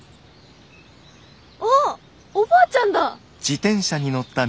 あっおばあちゃんだ。